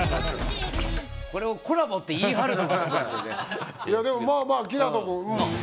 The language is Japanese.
これをコラボって言い張るのがすごいですよね。